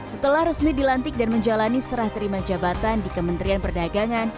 setelah resmi dilantik dan menjalani serah terima jabatan di kementerian perdagangan